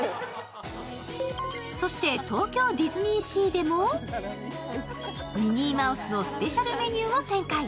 そして東京ディズニーシーでもミニーマウスのスペシャルメニューを展開。